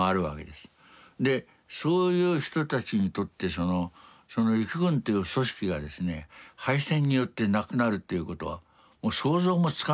でそういう人たちにとって陸軍という組織がですね敗戦によってなくなるということはもう想像もつかないわけですね。